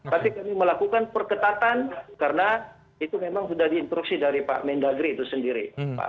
tapi kami melakukan perketatan karena itu memang sudah diinstruksi dari pak mendagri itu sendiri